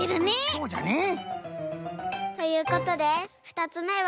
そうじゃね。ということで２つめは。